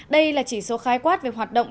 đây là chỉ số khai quát về hoạt động